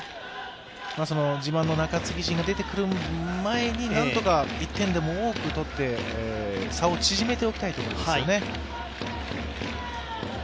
自慢の中継ぎ陣が出てくる前に、何とか１点でも多く取って差を縮めておきたいところですよね。